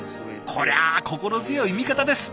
こりゃあ心強い味方です。